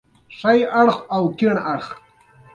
دوکاندار هغه ته خواړه ور وړل.